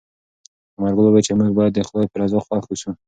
ثمرګل وویل چې موږ باید د خدای په رضا خوښ اوسو.